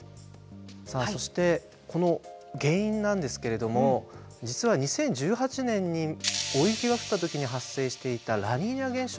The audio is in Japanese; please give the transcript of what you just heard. さあそしてこの原因なんですけれども実は２０１８年に大雪が降った時に発生していたラニーニャ現象。